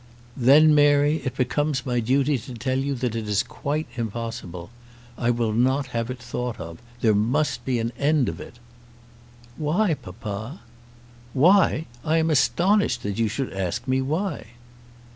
"Then, Mary, it becomes my duty to tell you that it is quite impossible. I will not have it thought of. There must be an end of it." "Why, papa?" "Why! I am astonished that you should ask me why."